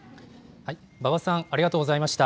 馬場さん、ありがとうございました。